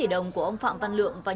em đang thiếu vốn làm ăn